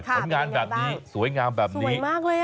สนงานแบบนี้สวยงามแบบนี้